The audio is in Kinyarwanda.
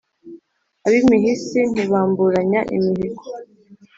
Ab’imihisi ntibamburanya imihigo